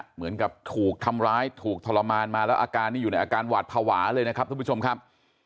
เหมือนกับถูกทำร้ายถูกทรมานมาแล้วอาการนี้อยู่ในอาการหวาดภาวะเลยนะครับทุกผู้ชมครับ